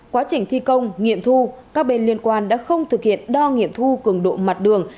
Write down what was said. quá trình thi công nghiệm thu các bên liên quan đã không thực hiện đo nghiệm thu cường độ mặt đường